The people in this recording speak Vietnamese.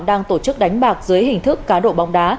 đang tổ chức đánh bạc dưới hình thức cá độ bóng đá